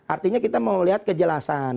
artinya kita mau lihat kejelasan